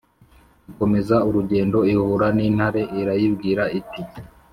ikomeza urugendo ihura n’intare, irayibwira iti: